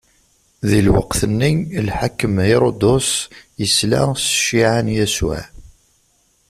Di lweqt-nni, lḥakem Hiṛudus isla s cciɛa n Yasuɛ.